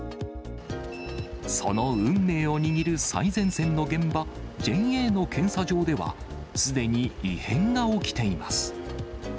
その運命を握る最前線の現場、ＪＡの検査場では、すでに異変が起きています。